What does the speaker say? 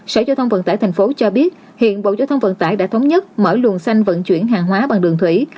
sở giao thông vận tải tp hcm cho biết hiện bộ giao thông vận tải đã thống nhất mở luồng xanh vận chuyển hàng hóa bằng đường thủy